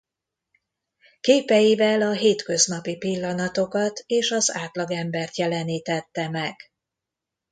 Képeivel a hétköznapi pillanatokat és az átlagembert jelenítette meg.